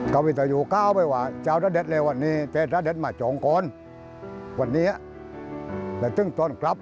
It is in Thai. กับตายอยู่ก้าวเขว่าเจ้าสำเด็จเลยวันนี้เจ้าสำเด็จมาเจ้างค์คน